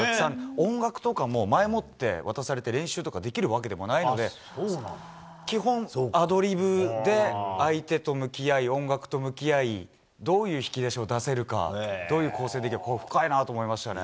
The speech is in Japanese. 音楽とかも前もって渡されて練習とかできるわけでもないので基本、アドリブで相手と向き合い音楽と向き合いどういう引き出しを出せるかどういう構成でいくか深いなと思いましたね。